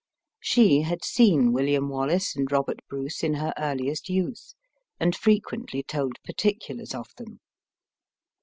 She had seen William Wallace and Robert Bruce in her earliest youth and frequently told particulars of them.